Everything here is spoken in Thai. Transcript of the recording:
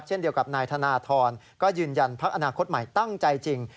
เช่นเดียวกับนายธนทรก็ยืนยันพักอนาคตใหม่ตั้งใจจริง